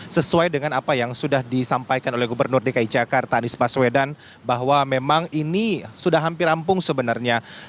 sesuai dengan apa yang sudah disampaikan oleh gubernur dki jakarta anies baswedan bahwa memang ini sudah hampir rampung sebenarnya